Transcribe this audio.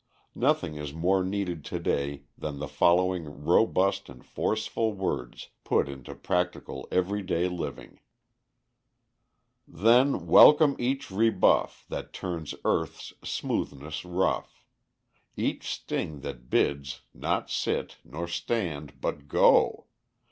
Nothing is more needed to day than the following robust and forceful words put into practical every day living: "Then, welcome each rebuff That turns earth's smoothness rough, Each sting that bids, not sit, nor stand, but go!